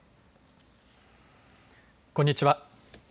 こんにちは。